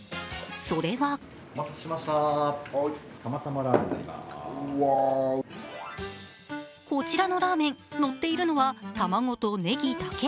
それはこちらのラーメンのっているのは卵とねぎだけ。